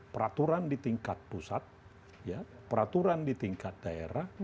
peraturan di tingkat pusat peraturan di tingkat daerah